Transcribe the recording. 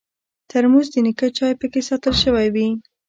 ترموز د نیکه چای پکې ساتل شوی وي.